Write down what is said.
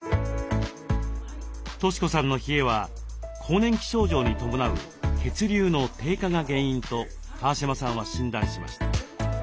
俊子さんの冷えは更年期症状に伴う血流の低下が原因と川嶋さんは診断しました。